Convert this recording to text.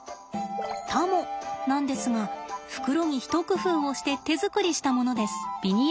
タモなんですが袋に一工夫をして手作りしたものです。